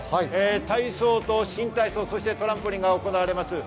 体操と新体操、そしてトランポリンが行われます。